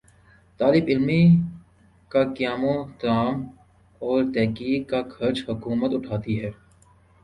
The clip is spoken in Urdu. طالب علموں کا قیام و طعام اور تحقیق کا خرچ حکومت اٹھاتی ہے